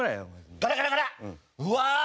ガラガラガラッ！